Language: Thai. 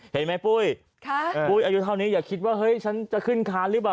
เห็นไหมปุ้ยปุ้ยอายุเท่านี้อย่าคิดว่าเฮ้ยฉันจะขึ้นค้านหรือเปล่า